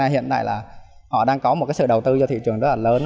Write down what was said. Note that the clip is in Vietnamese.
hiện nay là họ đang có một sự đầu tư cho thị trường rất là lớn